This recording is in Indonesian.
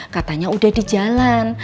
katanya udah di jalan